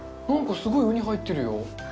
なんかすごい、ウニ入ってるよ。